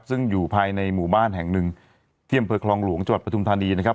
ซึ่งอยู่ภายในหมู่บ้านแห่งนึงเที่ยมเผยคลองหลวงจประทุมธนีย์นะครับ